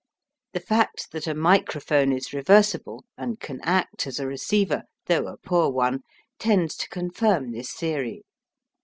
The fact that a microphone is reversible and can act as a receiver, though a poor one, tends to confirm this theory.